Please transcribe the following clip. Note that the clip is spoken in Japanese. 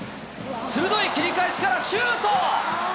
鋭い切り返しからシュート。